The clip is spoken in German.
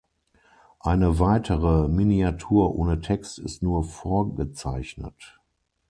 Eine weitere Miniatur ohne Text ist nur vorgezeichnet.